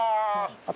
あと。